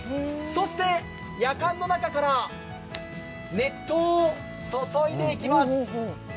そしてやかんの中から熱湯を注いでいきます。